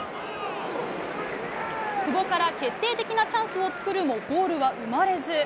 久保から決定的チャンスを作るもゴールは生まれず。